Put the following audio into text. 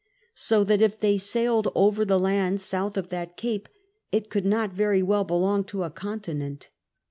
So that if they sailed over the land south of that capo, it could not very well belong to a continent.